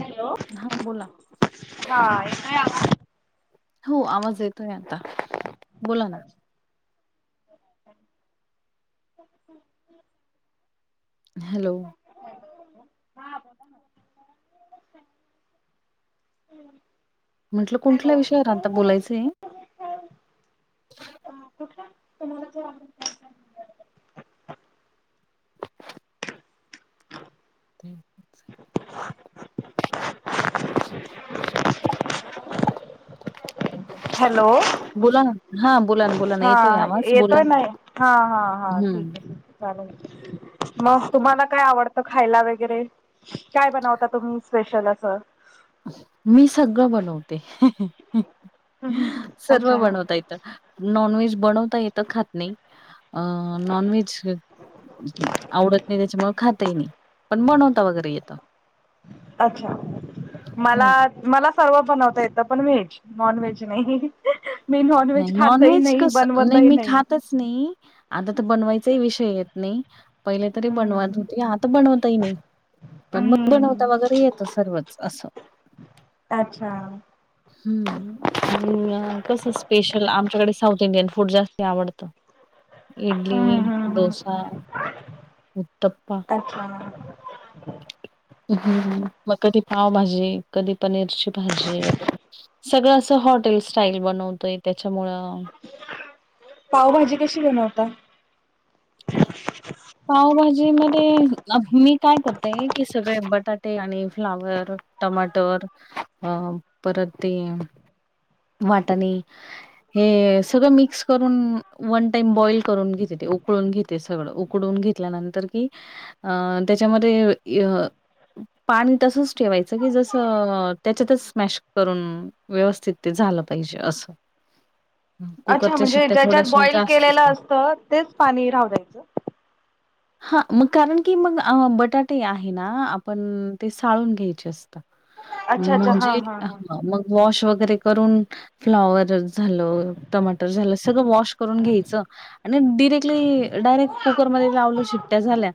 Hello हां बोला. हा येतोय आवाज? हो आवाज येतोय आता बोला ना. [inaudible] हॅलो. [unintelligible] हा बोला ना. [unintelligible] म्हटलं कुठल्या विषयावर आता बोलायचंय? [unintelligible] हा कुठला? तुम्हाला जो आवडेल त्या विषयावर बोलूया आपण. हम्म चालेल. [unintelligible] [unintelligible] हॅलो. बोला ना. हां बोला ना, बोला ना. हा येतोय आवाज बोला येतोय ना हा-हा-हा ठीक हं. आहे. चालून मग तुम्हाला काय आवडतं खायला वगैरे काय बनवता तुम्ही स्पेशल असं? मी सगळं बनवते सर्व अच्छा बनवता य नॉनव्हेज बनवता येतं खात नाही. अं नॉन व्हेज आवडत नाही त्याच्या मूळ खातही नाही. पण बनवता वगैरे येतो. अच्छा मला हं. मला. सर्व बनवता येत पण व्हेज नॉन व्हेज नाही. मी नॉन नाही व्हेज खातही नॉनव्हेज नाही कसं बनवतही मी नाही. खातच नाही आता तर बनवायचाही विषय येत नाही. पहिले तरी हम्म बनवत होते आता बनवतही नाही. पण मग बनवता हम्म वगैरे येतो सर्वच असं. अच्छा हम्म कस स्पेशल आमच्याकडे साऊथ इंडियन फूड जास्ती आवडतं. हम्म इडली हम्म हम्म दोसा उतपा. हा मग कधी पावभाजी कधी पनीरची. वे सगळं असं हॉटेल स्टाईल बनवतय त्याच्यामु. पावभाजी कशी बनवता पावभाजी मध्ये मी काय करतेय की सगळे बटाटे आणि फ्लावर टमाटर अं परत ते वाटाणी हे सगळं मिक्स करून वन टाइम बॉइल करून घेते ते उकळून घेते सगळं उक उकडून घेतल्यानंतर की अ त्याच्यामध्ये अ पाणी तसच ठेवायचं की जसं त्याच्यातच स्मॅश करून व्यवस्थित ते झालं पाहिजे असं अच्छा कुकरच्या म्हणजे शिट्ट्या ज्याच्यात थोड्याशा बॉइल केलेलं जास्तच असतं तेच पाणी राव द्यायचं हा मग कारण की मग बटाटे आहे ना आपण ते साळून घ्यायचे अस अच्छा अच्छा हा म्हणजे हा ह हा मग वॉश वगैरे करून फ्लॉवर झालं टमाटर झालं सगळं वॉश करून घ्यायचं आणि डिरेक्टली डायरेक्ट कुकरमध्ये लावलं शिट्ट्या झाल्या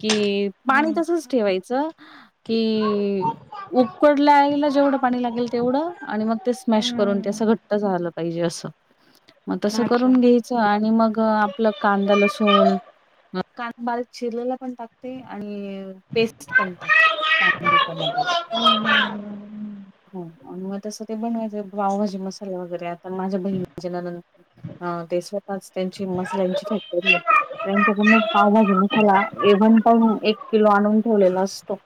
की पाणी हम्म तसच ठेवायचं कि उकडल्यायला जेवढं पाणी लागेल तेवढं आणि मग ते स्मॅश करून ते हम्म असं घट्ट झालं पाहिजे असं मग तसं अच्छा. करून घ्यायचं आणि मग आपलं कांदा लसून मग कांदा बारीक शिरलेला पण टाकते आणि पेस्ट पण टाकते हा ह, ह हो आणि मग तसं ते बनवायच पावभाजी मसाले वगैरे आता माझ्या बहिणी ज हा ते स्वतःच त्यांची मसल्यांची फॅक्टरी आहे त्यांच्याकडून पावभाजी मसाला एव्हण पण एक किलो आणून ठेवलेला असतो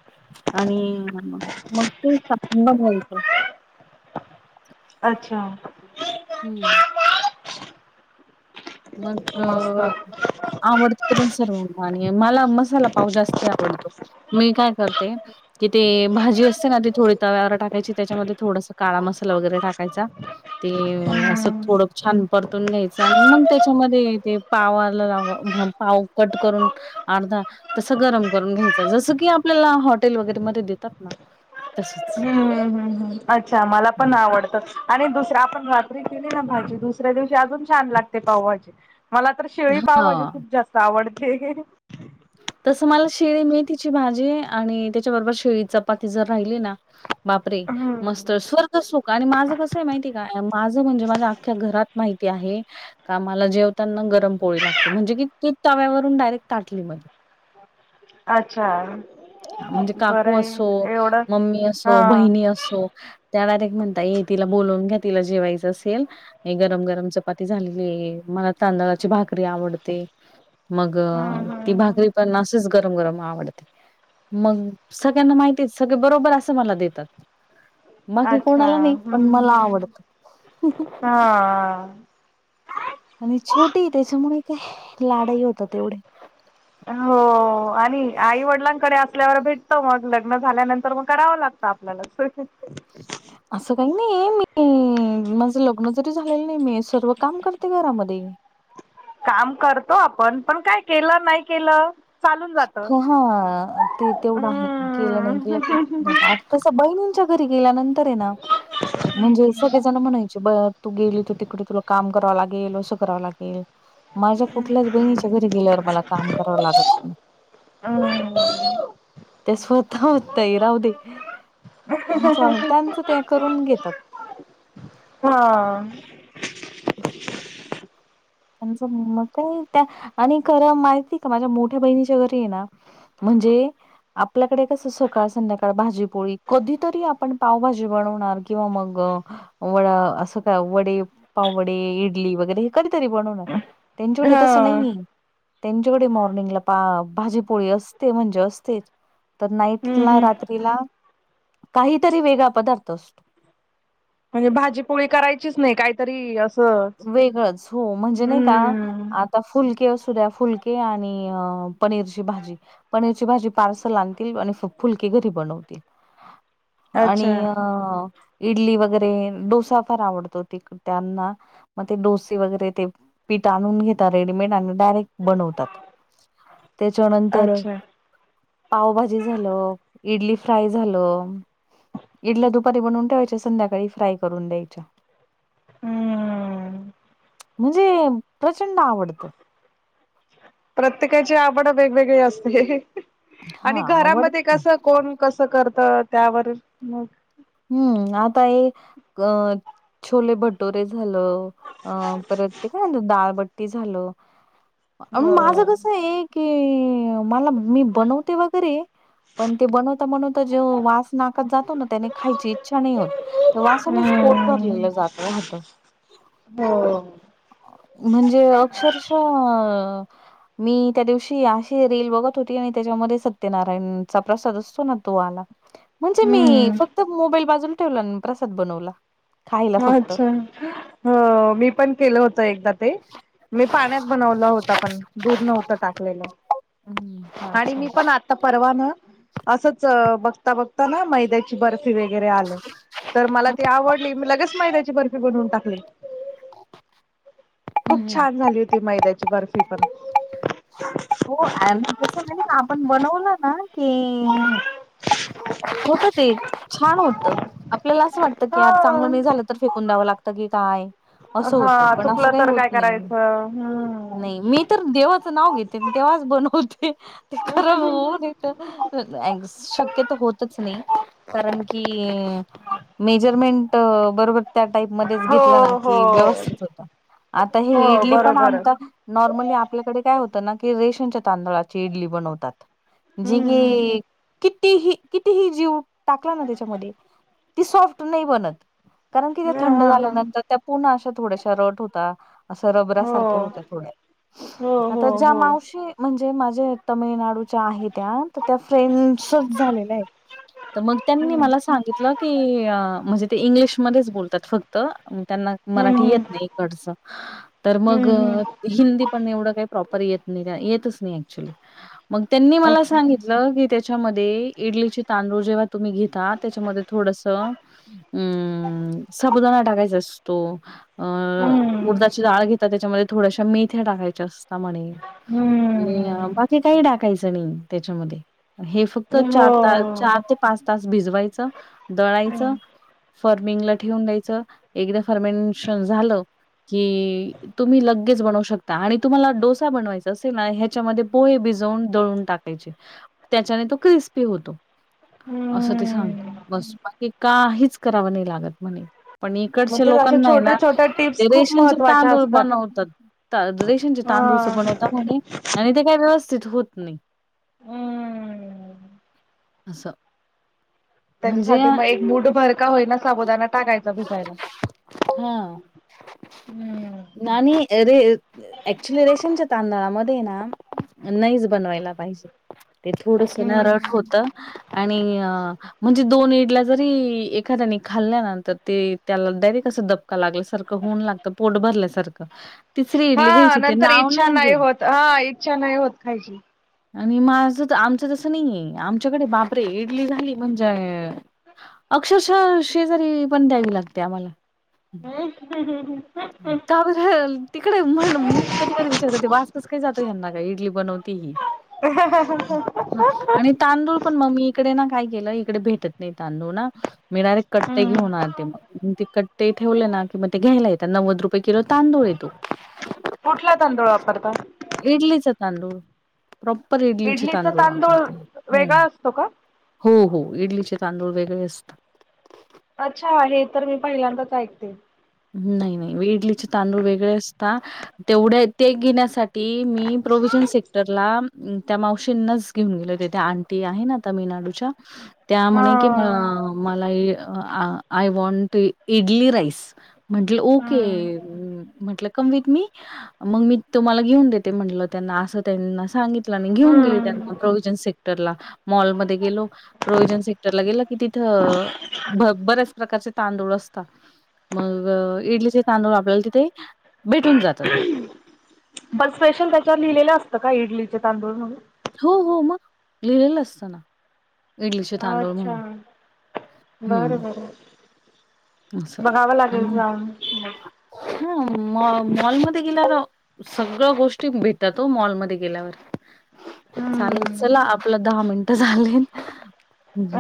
आणि मग ते टाकून बनवायच अच्छा हम्म मग मस्त आवडत ते पण सर्वांना आणि मला मसाला पाव जास्ती आवडतो मी काय करते किथ ते भाजी असते ना ती थोडी तव्यावर टाकायची त्याच्यामध्ये थोडास काळा मसाला वगैरे टाकायचा ते असं हम्म. थोडं छान परतून घ्यायचं आणि मग त्याच्यामध्ये ते पावला ला पाव कट करून अर्धा तस गरम करून घ्यायच जसं की आपल्याला हॉटेल वगैरे मध्ये देतात ना तसच हम्म हम्म अच्छा मला पण आवडत आणि दुसर आपण रात्री केली ना भाजी दुस दुसऱ्या दिवशी अजून छान लागते पावभाजी मला तर शिळी पावभाजी हा. खूप जास्त आवडते तसं मला शिळी मेथीची भाजी आणि त्याच्याबरोबर शिळी चपाती जर राहिली ना बापरे हम्म मस्त स्वर्ग सुख आणि माझं कसं आहे माहिती का माझं म्हणजे माझ्या अख्ख्या घरात माहिती आहे का मला जेवताना गरम पोळी लागते म्हणजे की ती तव्यावरून डायरेक्ट ताटली मध्ये अच्छा हा म्हणजे बरं काकू असो, आहे एवढं मम्मी असो, हा बहिणी असो त्या डायरेक्ट म्हणता ये तिला बोलून घ्या तिला जेवायचं असेल हे गरम, गरम चपाती झालेली आहे मला तांदळाची भाकरी आवडते मग हम्म ती हम्म हम्म भाकरी पण असच गरम, गरम आवडते मग सगळ्यांना माहिती सगळे बरोबर असं मला देतात बाकी अच्छा कोणाला नाही पण मला हम्म आवडत हा आणि छोटी त्याच्यामुळे काय लाडाई होतात तेवढे हो आणि आई वडिलांकडे असल्यावर भेटत मग लग्न झाल्यानंतर मग करावं लागतं आपल्यालच [inaudible] असं काही नाही या मी माझं लग्न जरी झालेलं नाही मी सर्व काम करते घरामध्ये. काम करतो आपण पण काय केलं नाही केलं. चालून जात हा ते तेवढं आहे केलं नाही केलं हम्म तस बहिणीच्या. घरी गेल्यानंतर आहे ना म्हणजे सगळे जण म्हणाय तू गेली त तिकड तुला. काम कराव लागे अस कराव लागेल माझ्या कुठल्याच बहिणीच्या घरी. गेल्यावर मला काम करावं लागत नाही. ते स्वतः होय राहू दे. आमच्या त्यांचं ते करून घेतात. हा. [inaudible] त्यांच म त्या आणि खरं माहिती आहे का माझ्या मोठ्या बहिणीच्या घरी ये ना. म्हणजे. आपल्याकडे कसं सकाळ संध्याकाळ भाजीपोळी कधीतरी आपण पावभाजी बनवणार किंवा मग. वड असं काय वडे पावडे इडली वगैरे हे कर. तरी बनवून त्यांच्याक तसं हा नाहीय. त्यांच्याकडे मॉरिंगला पा भाजीपोळी असते म्हणजे असते. तर हम्म नाईटला हम्म रात्रीला काहीतरी वेगळा पदार्थ असतो. म्हणजे भाजी पोळी करायचीच नाही काहीतरी.. असं वेगळंच हो म्हणजे नाही का. हम्म आता फुलके असू द्या फुलके आणि अ पनीरची भाजी. पनीरची भाजी पार्सल आणतील आणि फुलके घरी बनवतील. आणि अच्छा अ. इडली वगैरे डोसा फार आवडतो त त्यांना. मग ते डोसे वगैरे ते पिठ आणून घेता रेडीमेड आणून डायरेक्ट. बनवतात त्याच्यानंतर. अच्छा पावभाजी झाल इडली फ्राय झालं. इडल्या दुपारी बनवून ठेवायच्या संध्याकाळी फ्राय करून द्यायच्या. हम्म. म्हणजे प्रचंड आवडतं. प्रत्येकाची आवड वेगवेगळी असते आणि हा घरामध्ये आवड कस कोण. कस करत त्यावर म. हम्म आता हे अ छोले भटोरे झालं. अ परत ते काय दाळबट्टी झालं हो माझं कस. असं एक क मला मी बनवते वगैरे. पण ते बनवता बनवता जे वास नाकत जातो ना त्याने. खायची इच्छा नाही होत तर वासनेच पोट हम्म भरलेलं जात राहत. हो म्हणजे अक्षरश अ [inaudible] मी त्या दिवशी अशी रेल बघत होती आणि त्याच्यामध्ये सत्यनारायणचा प्रसाद असतो ना तो आला. [inaudible] म्हणजे मी फक्त हम्म मोबाईल बाजूला ठेवला प्रसाद बनवला. खायला फक्त. अच्छा ह मी पण केलं होत एकदा ते. मी पाण्यात बनवला होता पण दूध नव्हतं टाकलेलं. हम्म आणि अच्छा मी पण आता परवान असंच बघता बघता ना मैद्या बर्फी वगैरे आल, तर मला आवडली लगेच माची बर्फी बनवून टाकली. खूप हम्म छान झाली होती मैद्याची बर्फी पण हो आणि तस माहिती का आपण बनवलं ना की होत ते, छान होत. आपल्याला असं वाटतं की आ चांगलं हो नाही झालं तर फेकून द्यावं लागतं की काय? असं होत हा पण असं चुकलं काही तर होत काय नाही.. करायचं हम्म नाही मी तर देवाचं नाव घेते देवाच बनवते. हृ.. ते खरं होन येत शक्यत होतच नाही कारण की.. मेजरमेंट.. बरोबर त्या टाईप मध्येच घेतलं ना हो हो कि व्यवस्थित होत आता हे हो इडली पण बरोबर आमता नॉर्मली आपल्याकडे काय होतं ना की रेशमच्या तांदळाची इडली बनवतात. जी... हम्म गी.. कितीही.. कितीही जीव टाकला ना त्याच्यामध्ये ती सॉफ्ट नाही बनत. कारण की त्या ह थंड हा हा झाल्यानंतर त्या पुन्हा अशा थोड्याशा रट होत. असं हो रबऱसारख्या होत्या थोड्या हो.. आता हो ज्या मावशी म्हणजे माझे तमिळनाडूच्या आहे त्या तर त्या फ्रेंडसच झालेल्या आहेत. तर मग त्यांनी हम्म मला सांगितलं की... अ म्हणजे ते इंग्लिशमध्येच बोलतात फक्त त्यांना हम्म मराठी येत हम्म नाही कडच तर मग हम्म हम्म हिंदी पण एवढं काही प्रॉ् ेत येत नाही, येत नाही ऍक्च्युली, मग त्यांनी मला अच्छा सांगितलं. त्याच्यामध्ये इडलीचे तांदूळ जेव्हा तुम्ही घेता त्याच्यामध्ये थोडस अम्.. साबदाणा टाकायचा असतो अ.. हम्म उडदाची डाळ घेतात त्याच्यामध्ये थोड्याश्या मेथ्या टाकायच्या असतात म्हणे. हम्म आणि बाकी काही टाकायचं नाही त्याच्यामध्ये हे फक्त हो चार त चार ते पाच तास भिजवायचं दळायचं हम्म फर्मिंगला ठेवून द्यायचं एकदा फर्मेनशन झालं कि.. तुम्ही लगेच बनवू शकता आणि तुम्हाला डोसा बनवायचा असेल ना ह्याच्यामध्ये पोहे भिजवून दळून टाकायचे त्याच्याने तो क्रिस्पी होतो. असं ते सांग.. हम्म बस बाकी काहीच करावं नाही लागत म्हणे. पण मग इकडच्या ते लोकां अशा नाही ना छोट्या छोट्या ते टिप्स खूप रेशनचे महत्त्वाच्या तांदूळ असतात बनवतात लई हा तांदूळच बनवता म्हणे आणि ते काय व्यवस्थित होत नाही. हम्म असं म्हणजे त्याच्यासाठी मग एक मूड भरका होईना सबुदाना टाकायचा भिजायला. हा.. हम्म नानी... रे ऍक्च्युली रेशीमच्या तांदळामध्ये ना नैज बनवायला पाहिजे. ते थोडसे ना रट हम्म होत आणि.. अ म्हणजे दोन इडल्या जरी एखाद्याने खाल्ल्या ना तर ते त्याला डायरेक्ट अस द लाग सार होऊन लागत पोट भरल्या सारख तिसरी इडली घ्यायची ते तर नाव इच्छा नाही घेत होत हा इच्छा नाही होत खायची आणि माझ आमचं तसं नाहीये आमच्याकडे बापरे इडली झाली म्हणजे अक्षरशः शेजारी पण द्यावी लागते आम्हाला हम् हम् हम का बरं, ह.. तिकडे म्हण मी कधी कधी विचार करते वास कस काही जातो यांना का इडली बनवते ही ह ह ह ह आणि तांदूळ पण मग मी इकडे ना काय केलं इकडे भेटत नाही तांदूळ ना मिणारे कट्टे हम्म. घेऊणार ते मग ते कट्टे ठेवले ना किंवा ते घ्यायला येत नव्वद रुपये किलो तांदूळ येतो कुठला तांदूळ वापरतात इडलीच तांदूळ प्रॉपर इडलीचे तांदूळ वापरते हो वेगळा असतो का? हो हो इडलीचे तांदूळ वेगळे असतात अच्छा हे तर मी पहिल्यांदाच ऐकते नाही नाही इडलीचे तांदूळ वेगळे असतात. तेवढे ते घेण्यासाठी मी प्रोवि्हजन सेक्टरला त्या मावशींनाच घेऊन गेले होते त्या आणंटी आहे ना तामिळनाडूच्या त्या हा. म्हणे की मला आय वॉंट इडली राईस. म्हटलं ओके हम्म म्हंटलं कम विथ मी- मग मी तुम्हाला घेऊन देते म्हटलं त्यांना असं त्यांना सांगितलं आणि घेऊन गेले त्यांना प्रोविजन स मॉलमध्ये गेलो प्रोविजन सेक्टरला गेल की तिथं. ब बरेच प्रकारचे तांदूळ असतात मग इडलीचे तांदूळ आपल्याला तिथे भेटून जातात. बर स्पेशल त्याच्यावर लिहिलेलं असतं का इडलीचे तांदूळ म्हणून हो हो मग लिहिलेलं असतं ना. इडलीचे तांदूळ अच्छा म्हणून बरं हम्म. बरं अस बघावं लागेल आणि जाऊन. हा म मॉलमध्येध्ये गेल्या. सगळं गोष्टी भेटतातो मॉलमध्येध्ये गेल्यावर चालेल हम्म चला आपलं दहा मिनटं झाले.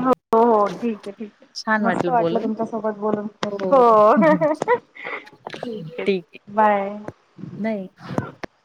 हो हो ठीक आहे ठीक आहे मस्त वाटलं बोलून. तुमच्यासोबत बोलून. हो ठीक आहे बाय. नाही.